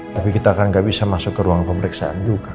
tapi kita kan nggak bisa masuk ke ruang pemeriksaan juga